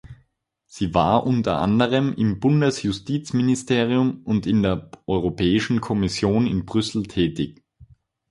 Sie war unter anderem im Bundesjustizministerium und in der Europäischen Kommission in Brüssel tätig.